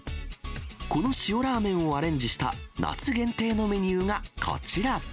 この塩ラーメンをアレンジした夏限定のメニューがこちら。